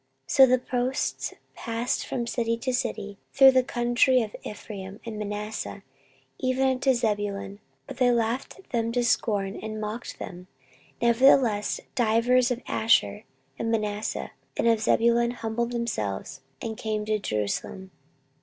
14:030:010 So the posts passed from city to city through the country of Ephraim and Manasseh even unto Zebulun: but they laughed them to scorn, and mocked them. 14:030:011 Nevertheless divers of Asher and Manasseh and of Zebulun humbled themselves, and came to Jerusalem.